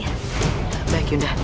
rai lebih baik kamu menunggu